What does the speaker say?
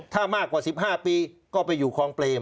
ถ้ามากกว่า๑๕ปีก็ไปอยู่คลองเปรม